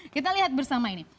kita lihat bersama ini